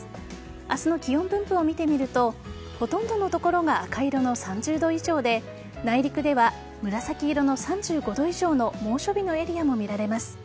明日の気温分布を見てみるとほとんどの所が赤色の３０度以上で内陸では、紫色の３５度以上の猛暑日のエリアも見られます。